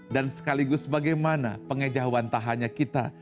dan sekaligus bagaimana pengejauhan tahannya kita